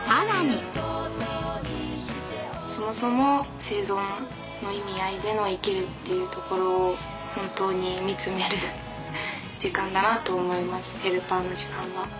そもそも生存の意味合いでの生きるっていうところを本当に見つめる時間だなと思います。